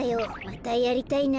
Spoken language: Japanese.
またやりたいなあ。